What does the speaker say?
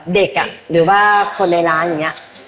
เด็กอะหรือว่าคนในร้าน